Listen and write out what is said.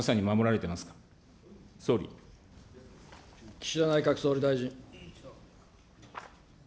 岸田内閣総理大臣。